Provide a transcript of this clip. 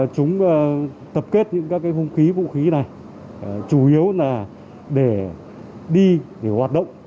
chúng tập kết những các hung khí vũ khí này chủ yếu là để đi để hoạt động